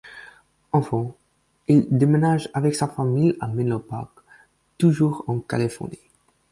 Enfant, il déménage avec sa famille à Menlo Park toujours en Californie.